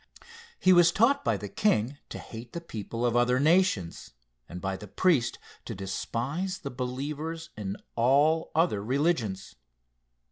He was taught by the king to hate the people of other nations, and by the priest to despise the believers in all other religions.